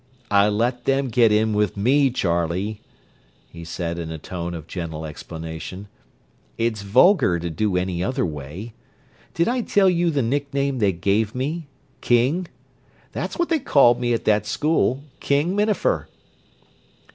"I let them get in with me, Charlie," he said in a tone of gentle explanation. "It's vulgar to do any other way. Did I tell you the nickname they gave me—'King'? That was what they called me at that school, 'King Minafer."